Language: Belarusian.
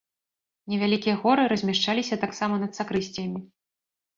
Невялікія хоры размяшчаліся таксама над сакрысціямі.